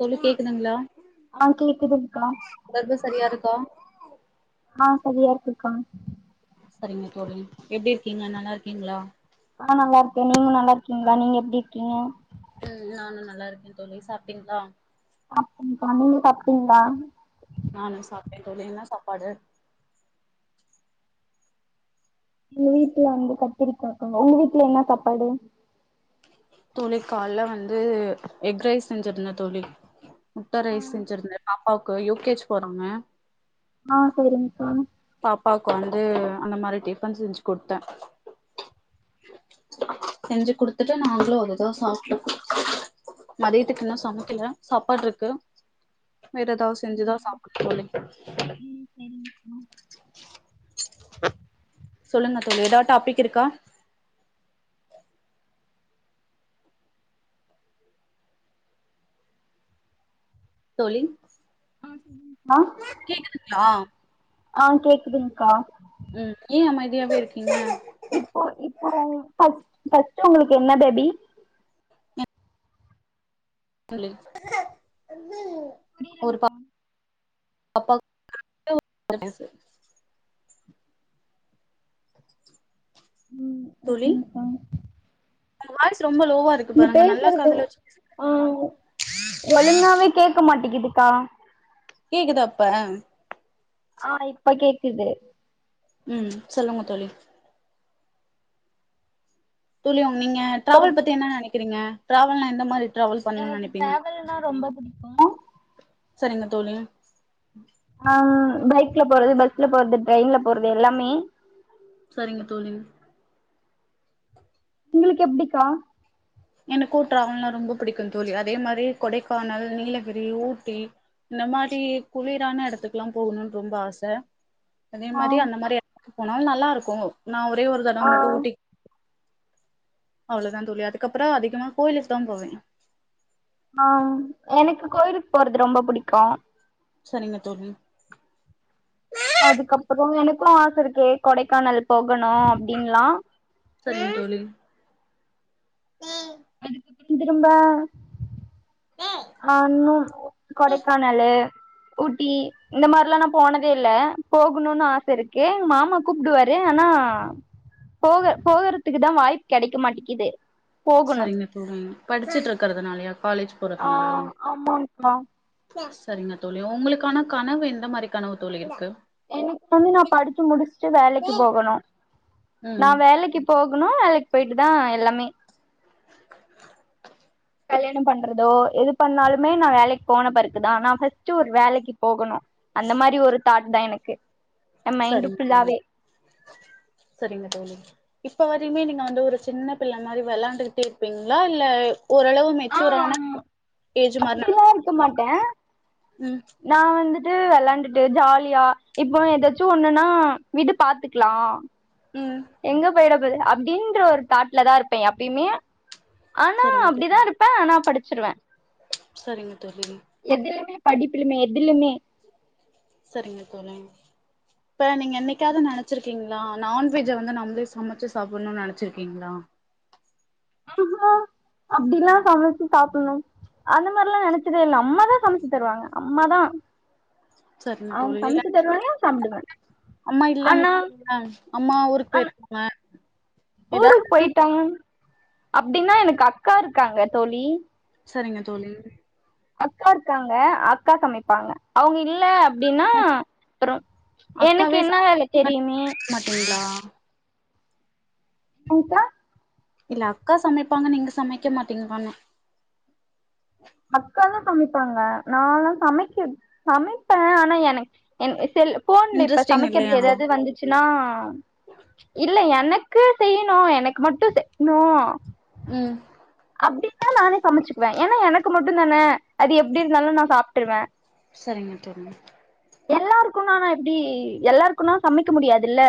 தோழி கேக்குதுங்களா ஆ கேக்குதுங்க்கா தொடர்பு சரியா இருக்கா ஆ சரியா இருக்குக்கா சரிங்க தோழி எப்டி இருக்கீங்க நல்லாருக்கீங்களா நா நல்லா இருக்கே நீங்க நல்லா இருக்கீங்களா நீங்க எப்டி இருக்கீங்க ம் நானு நல்லா இருக்கே தோழி சாப்டிங்களா சாப்டேக்கா நீங்க சாப்டீங்களா நானு சாப்ட்டே தோழி என்ன சாப்பாடு எங்க வீட்ல வந்து கத்திரிக்காக்கா உங்க வீட்ல என்ன சாப்பாடு தோழி கால்ல வந்து எக் ரைஸ் செஞ்சிருந்தே தோழி முட்ட ஆ ரைஸ் செஞ்சிருந்தே பாப்பாவுக்கு யூ கே ஜி போறாங்க ஆ சேரிங்க்கா பாப்பாக்கு வந்து அந்த மாரி டிபன் செஞ்சு கொடுத்தே செஞ்சு குடுத்துட்டு நாங்களு அதுதா சாப்ட்டோ மதியத்துக்கு இன்னு சமக்கல சாப்பாட்ருக்கு வேற ஏதாது செஞ்சுதா சாப்ட்னு தோழி ம் சரிங்க்கா சொல்லுங்க தோழி ஏதா டாபிக் இருக்கா தோழி அ கேக்குதுங்களா ஆ கேக்குதுங்க்கா ம் ஏ அமைதியாவே இருக்கீங்க இப்போ இப்போ ஃபஸ்ட் ஃபஸ்ட் உங்களுக்கு என்ன டடி சொல்லு ஒரு ப பாப்பா [inaudible] ம் தோழி ஓகேங்க்கா வாய்ஸ் ரொம்ப லோவா இருக்கு பாருங்க நல்லா காதுல வச்சி ம் ஒழுங்காவே கேக்க மாட்டேங்குதுக்கா கேக்குதா இப்ப ஆ இப்ப கேக்குது ம் சொல்லுங்க தோழி தோழி நீங்க ஒரு டிராவல் பத்தி என்ன நெனைக்கிறீங்க டிராவல்னா எந்த மாரி டிராவல் பண்ணணும்னு எனக்கு நெனைப்பீங்க டிராவல்னா ரொம்ப புடிக்கு சரிங்க தோழி ஆ பைக்ல போறது பஸ்ல போறது ட்ரெயின்ல போறது எல்லாமே சரிங்க தோழி உங்களுக்கு எப்டிக்கா எனக்கு ட்ராவல்னா ரொம்ப பிடிக்கு தோழி அதே மாரி கொடைக்கானல் நீலகிரி ஊட்டி இந்த மாரி குளிரான எடத்துக்கல்லா போகணுனு ரொம்ப ஆச அதே ஆ மாரி அந்த மாரி ஏடத்துக்கு போனாலு நல்லாருக்கு நா ஒரே ஒரு தடவ ஆ மட்டு ஊட்டிக் அவ்ளதா தோழி அதுக்கப்பற அதிகமா கோயிலுக்கு தா போவே ஆ எனக்கு கோயிலுக்கு போறது ரொம்ப புடிக்கு சரிங்க தோழி அதுக்கப்பறோ எனக்கு ஆச இருக்கு கொடைக்கானல் போகணு அப்படின்லா சரிங் தோழி அதுக்கு திருந்திருந்தா அ இன்னு கொடைக்கானலு ஊட்டி இந்த மாரிலா நா போனதே இல்ல போகணுனு ஆச இருக்கு எங்க மாமா கூப்புடுவாரு ஆனா போக போகறதுக்கு தா வாய்ப்பு கெடைக்க மாட்டேங்குது சரிங்க தோழி படிச்சிட்டுருக்கிறதுனாலயா காலேஜ் ஆ போறதுனாலயா ஆமாங்க்கா சரிங்க தோழி உங்களுக்கான கனவு எந்த மாரி கனவு தோழி இருக்கு எனக்கு வந்து நா படிச்சி முடிச்சிட்டு வேலைக்கு போகணு நா ம் வேலக்கி போகணு வேலைக்கு போயிட்டு தா எல்லாமே கல்யாணம் பண்றதோ எது பண்ணாலுமே நா வேலைக்கு போன பெறகுதா ஆனா ஃபஸ்ட் ஒரு வேலைக்கு போகணு அந்த மாரி ஒரு தாட் தா எனக்கு எ மைண்டு சரிங் தோழி ஃபுல்லாவே சரிங்க தோழி இப்ப வரையுமே நீங்க வந்து ஒரு சின்ன பிள்ள மாரி விளையாண்டுகிட்டே இருப்பீங்களா இல்ல ஓரளவு மெச்சூரானா ஏஜ் மாதிரி அப்டிலா இருக்க மாட்டே நடந்துப்பிங்கலா உம் நா வந்துட்டு வெளையாண்டுட்டு ஜாலியா இப்போ ஏதாச்சும் ஒண்ணுன்னா விடு பாத்துக்கலாம் உம் எங்க போயிட போது அப்டின்ற ஒரு தாட்டுல தா இருப்பேன் எப்பையுமே ஆனா சரிங்க தோழி அப்டிதான் இருப்ப ப்பேன் ஆனா படிச்சிருவேன் சரிங்க தோழி எதிலுமே படிப்பிலுமே எதிலுமே சரிங்க தோழி இப்ப நீங்க என்னைக்காவது நெனைச்சிருக்கீங்களா நான்வெஜ்ஜை வந்து நம்மளே சமைச்சி சாப்பிடணும்னு நெனைச்சிருக்கீங்களா அஹ அப்டிலாம் சமைச்சி சாப்டணும் அந்த மாரி எல்லாம் நினைச்சதே இல்ல அம்மாதா சமைச்சி தருவாங்க அம்மாதா சரிங்க அவுங்க தோழி இல்ல சமச்சி தருவாங்க சாப்டுவே அம்மா இல்லனு ஆனா சொன்னா அம்மா ஊருக்கு போயிருக்காங்க ஊருக்கு ஏதாவது போய்ட்டாங்க அப்டின்னா எனக்கு அக்காருக்காங்க தோழி சரிங்க தோழி அக்காருக்காங்க அக்கா சமைப்பாங்க அவுங்க இல்ல அப்டின்னா அப்றோ எனக்கு இன்ன வேல தெரியுமே மாட்டீங்ளா சம்சா இல்ல அக்கா சமைப்பாங்க நீங்க சமைக்க மாட்டீங்க தான அக்கால்லா சமைப்பாங்க நாளா சமைக்க சமைப்பேன் ஆனா எனக்கு என்ன செல்லுஃ போன்ல இப்ப இன்ட்ரெஸ்டிங் சமைக்கிறது இல்லையா ஏதாது வந்து ச்சினா இல்ல எனக்கு செய்யினு எனக்கு மட்டு செய்யினு உம் அப்டினா நானே சமச்சுக்குவன் ஏன்னா எனக்கு மட்டுந்தான அது எப்டி இருந்தாலு நா சாப்டுருவேன் சரிங்க தோழி எல்லாருக்கும் நானா இப்டி எல்லாருக்கும்னா சமைக்க முடியாதுல்ல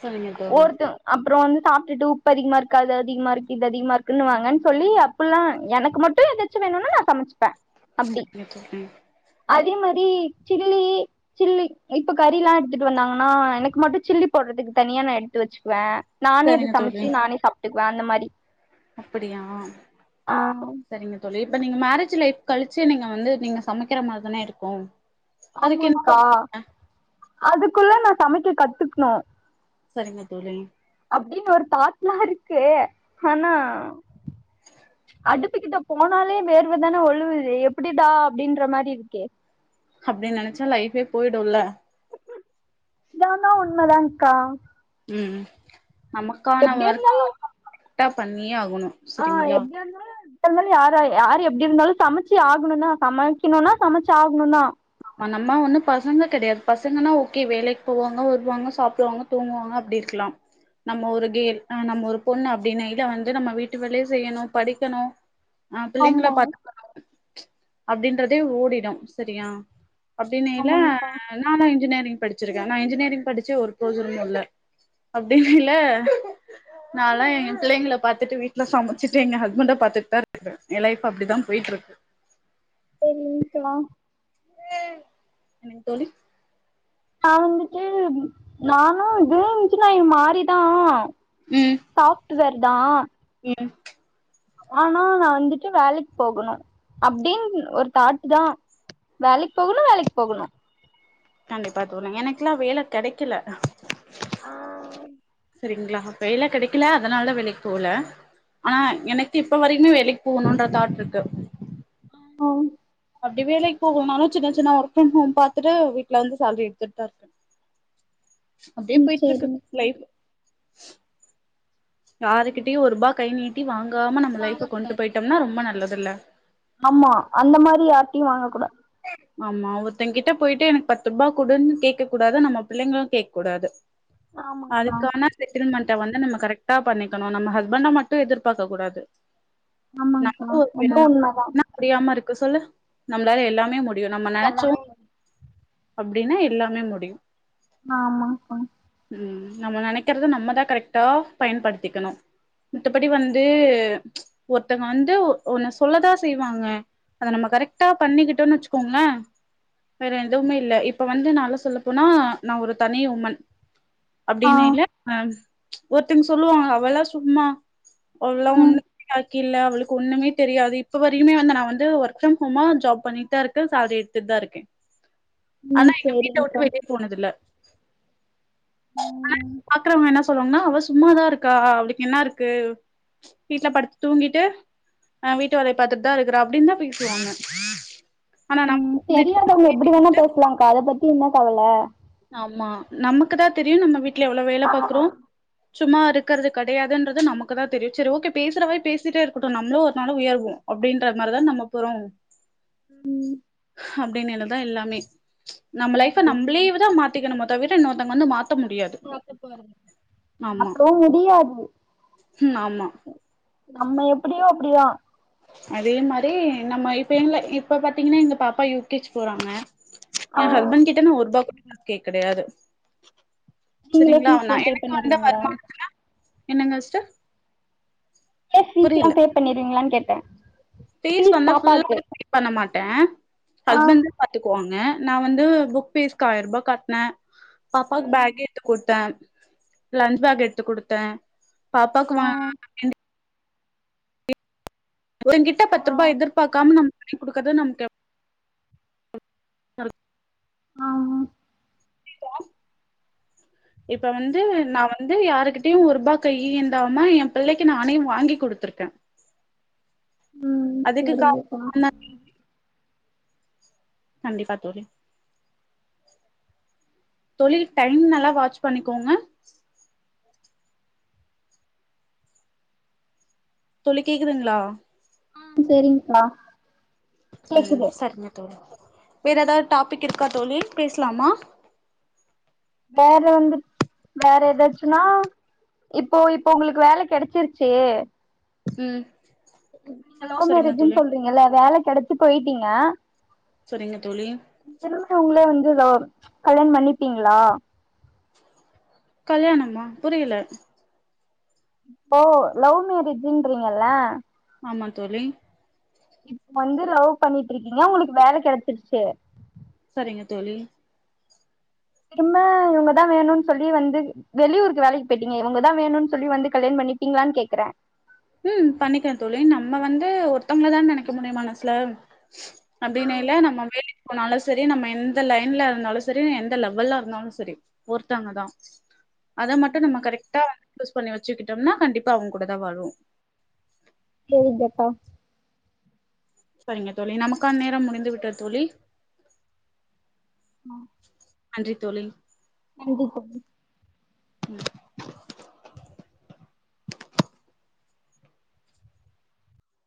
சரிங்க தோழி ஒருத்தர் அப்புறோ வந்து சாப்பிட்டுட்டு உப்பு அதிகமா இருக்கு அது அதிகமா இருக்கு இது அதிகமா இருக்குன்னு வாங்கன்னு சொல்லி இப்பல்லாம் எனக்கு மட்டும் எதாச்சும் வேணும்னு நா சமச்சுப்பே சரிங்க தோழி அதே மாரி சில்லி சில்லி இப்ப கறி எல்லாம் எடுத்துட்டு வந்தாங்கன்னா எனக்கு மட்டும் சில்லி போடுறதுக்கு தனியா நா எடுத்து வச்சிக்குவேன் நானே அது சரிங்க சமச்சு நானே சாப்டுக்குவேன் அந்த மாரி அப்டியா ஆ சரிங்க தோழி இப்ப நீங்க மேரேஜ் லைப் கழிச்சு நீங்க வந்து நீங்க சமைக்கிற மாரி தான இருக்கும் ஆமாங்கா அதுக்குள்ள நா சமைக்க கத்துக்குணு சரிங்க தோழி அப்டின் ஒரு தாட்லா இருக்கு ஆனா அடுப்பு கிட்ட போனாலே வேர்வதான ஒழுவுது எப்டிடா அப்டின்ற மாரி இருக்கே அப்டி நெனச்சா லைஃபே போயிடுல்ல இது ஆனா உண்மதாங்க்கா உம் நமக்கான எப்டி இருந்தா ஒர்க்க கரெக்டா பண்ணியே ஆகணு ஆ சரிங்களா எப்டி அந்த [unintelligible] யாரா யார் எப்டி இருந்தாலு சமச்சி ஆகணுனா சமைக்கணுனா சமச்சு ஆகணுனா ஆமா நம்ம ஒன்னு பசங்க கெடையாது பசங்கன்னா ஓகே வேலைக்கு போவாங்க வருவாங்க சாப்டுவாங்க தூங்குவாங்க அப்டிருக்லாம் நம்ம ஒரு கேல் அ நம்ம ஒரு பொண்ணு அப்டின்னு இத வந்து நம்ம வீட்டு வேலயு செய்யணு படிக்கணு ஆ பிள்ளைங்கள ஆமா பாத்துக்கனு அப்டின்றதே ஓடிடு செரியா அப்டின்னைல ஆமாங்க்கா நானு இன்ஜினியரிங் படிச்சிருக்கே நா இன்ஜினியரிங் படிச்சி ஒரு ப்ரோஜனமு இல்ல அப்டின்னைல நாலா எ பிள்ளைங்கள பாத்துட்டு வீட்ல சமச்சிட்டு எங்க ஹஸ்பண்ட பாத்துட்டுதா இருக்கே என்லைஃப் அப்டிதா போயிட்டுருக்கு பண்ணி இருக்கலாம் என்னங் தோழி நா வந்துட்டு நானு பி ஏ இன்ஜினியரிங் மாறி தா ம் சாப்ட்வேர்தா ம் ஆனா நா வந்துட்டு வேலைக் போகணு அப்டின்னு ஒரு தாட்டுதா வேலைக் போகணு வேலைக் போகணு கண்டிப்பா தோழி எனக்குலா வேல கெடக்கில ஆம் சேரிங்ளா வேல கெடக்கில அதனாலதா வேலைக்கு போல ஆனா எனக்கு இப்ப வரைக்குமே வேலைக் போகணுன்ற தாட்ருக்கு ஆம் அப்டி வேலைக் போகலனாலு சின்ன சின்ன ஒர்க் ஃப்ரம் ஹோம் பாத்துட்டு வீட்ல இருந்து ஸேல்ட்ரி எடுத்துட்தா இருக்கே அப்டியே ம் பேயிட்டு இருக்கு சேரிங்கக்கா லைஃப் யாருகிட்டயு ஒருபா கை நீட்டி வாங்காம நம்ம லைஃப்ப கொண்டு போய்ட்டோம்னா ரொம்ப நல்லதுல ஆமா அந்த மாரி யார்ட்டையு வாங்க கூடா ஆமா ஒருத்தங்கிட்ட போய்ட்டு எனக்கு பத்து ரூபா குடுன்னு கேக்க கூடாது நம்ம பிள்ளைங்களு கேக் கூடாது ஆமாக்கா அதுக்கான செட்டில்மெண்ட்ட வந்து நம்ம கரெக்டா பண்ணிக்கனு நம்ம ஹஸ்பண்ட மட்டு எதிர்பாக்க கூடாது ஆமாங்க்கா அது உண்மதா [inaudible] அப்டியாம இருக்கு சொல்லு நம்ளாலே எல்லாமே முடியு நம்ம நெனச்சோ அப்டின்னா எல்லாமே முடியு ஆமாக்கா ம் நம்ம நெனைக்கறத நம்மதா கரெக்டா பயன்படுத்திக்கனு மித்தபடி வந்து ஒர்த்தங்க வந்து ஒ ஒன்ன சொல்லதா செய்வாங்க அத நம்ம கரெக்ட்டா பண்ணிக்கிட்டோன் வச்சுக்கோங்ளே வேற எதுவுமே இல்ல இப்ப வந்து நாலா சொல்ல போனா நா ஒரு தனி உமன் ஆ அப்டின்னைல ஆ ஒருத்தங் சொல்லுவாங்க அவளா சும்மா அவளா ம் ஒண்ணுக்குமே லாயக்கில்ல அவளுக் ஒண்ணுமே தெரியாது இப்ப வரியுமே வந்து நா வந்து ஒர்க் ஃப்ரம் ஹோமா ஜாப் பண்ணிட்தா இருக்கே சேல்ரி எடுத்துட்தா இருக்கே ஆனா ம் எங்க வீட்ட சேரிங்க்கா உட்டு வெளிய போனதில்ல ஆனா ம் பாக்றவங்க என்ன சொல்லுவாங்ன்னா அவ சும்மாதா இருக்கா அவளுக்கு என்னா இருக்கு வீட்ல படுத்து தூங்கிட்டு ஆ வீட்டு வேலய பாத்துட்தா இருக்குற அப்டின்தா பேசுவாங்க ஆனா நம் ம் தெரியாதவங்க எப்டி வேணா பேச்லாக்கா அத பத்தி என்ன கவல ஆமா நமக்குதா தெரியு நம்ம வீட்ல எவ்ளோ வேல ஆ ஆ பாக்குறோ சும்மா இருக்றது கெடயாதுன்றது நமக்கு தா தெரியு செரி ஓகே பேசுற வாய் பேசிட்டே இருக்கட்டு நம்மளு ஒரு நாளு உயர்வோ அப்டின்ற மாரிதா நம்ம போறோ ம் அப்டின்னேலதா எல்லாமே நம்ம லைஃப சேரிங் நம்லே வந் தோ மாத்திக்கனு மொத விட இன்னொர்த்தங்க வந்து மாத்த முடியாது ஆமா மாத்தவு முடியாது ம் ஆமா நம்ம எப்டியோ அப்டிதா அதே மாரி நம்ம இப்ப இல்ல இப்ப பாத்தீங்கன்னா எங்க பாப்பா யூ. கே ஜி போறாங்க ஆ ஏ ஹஸ்பண்ட் கிட்ட நா ஒருபா கூட கேக் கெடயாது நீங்களே சரிங்ளா அனா ஃபீஸ்லா பே எனக்கு வந்த பண்ணிருவீங்களா வருமானத்ல என்னங்கஸ்டர் பஸ் ஃபீஸ்லா பே பண்ணிர்வீங்ளானு கேட்டே ஃபீஸ் வந்து ஃபுல்லா பே பண்ண மாட்டே ஆ ஹஸ்பண்டு பாத்துக்குவாங்க நான் வந்து புக் பீஸ்கு ஆய்ரூபா கட்னே பாப்பாக்கு ம் பேக் எட்த்து குடுத்தே லன்ச் பேக் எடுத்து குடுத்தே பாப்பாக்கு வா ஆ ஒங்கிட்ட பத்து ஆ ருபா எதிர்பாக்காம நம் பண்ணி குடுக்றது நம்கு ஆ இப்ப வந்து நா வந்து யாருகிட்டயு ஒரு ருபா கையே ஏந்தாம ஏ புள்ளைக்கு நானே வாங்கி குடுத்துர்க்கே ம் அதுக்கு செரிங்கப்பா காரணோ [inaudible] கண்டிப்பா தோழி தொழில் டைம் நல்லா வாட்ச் பண்ணிகோங்க தோழி கேக்குதுங்ளா ஆ செரிங்க்கா ம் கேக்குது சரிங்க தோழி வேற ஏதா டாபிக் இருக்கா தோழி பேஸ்லாமா வேற வந்து வேற ஏதாச்சுன்னா இப்போ இப்போ உங்களுக்கு வேல கெடச்சிருச்சு. ம் நீங்க சரிங்க லவ்மேரேஜ்ன்னு தோழி சொல்றீங்கள்ல வேல கெடச்சு போய்ட்டீங்க. சரிங்க தோழி. திரும்ப உங்களே வந்து லவ் கல்யாணோ பண்ணீப்பீங்களா? கல்யாணமா புரியல. ஓ லவ் மேரேஜ்ன்றீங்களா ஆமா தோழி இப்ப வந்து லவ் பண்ணிட்டு இருக்கீங்க உங்களுக்கு வேலை கெடச்சிருச்சு சரிங்க தோழி. திரும்ப இவங்கதா வேணும்னு சொல்லி வந்து வெளியூர்க்கு வேலைக்கி போயிட்டீங்க இவங்கதா வேணும்னு சொல்லி வந்து கல்யாணோ பண்ணிப்பீங்களான்னு கேக்குறேன் ம் பண்ணிக்குவேன் தோழி நம்ம வந்து ஒருத்தங்கள தான நெனக்க முடியும் மனசுல. அப்டின்னேல்ல நம்ம வேலைக்கு போனாலும் [inaudible] சரி நம்ம எந்த லைன்ல இருந்தாலு சரி எந்த லெவல்ல இருந்தாலு சரி ஒர்த்தங்கதா அத மட்டு நம்ம கரெக்டா யூஸ் பண்ணி வச்சிகிட்டோம்னா கண்டிப்பா அவுங் கூடதா வாழ்வோ [unintelligible] அக்கா சரிங்க தோழி நமக்கான நேரோ முடிந்து விட்டது தோழி ம் நன்றி தோழி வுடு தோழி ம்